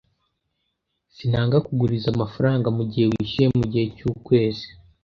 Sinanga kuguriza amafaranga mugihe wishyuye mugihe cyukwezi.